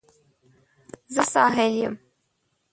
زه ساحل یم